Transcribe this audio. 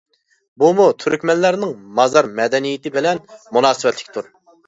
بۇمۇ تۈركمەنلەرنىڭ مازار مەدەنىيىتى بىلەن مۇناسىۋەتلىكتۇر.